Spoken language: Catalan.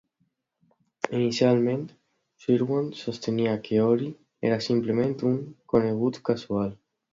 Inicialment, Sherwood sostenia que Ori era simplement un "conegut casual".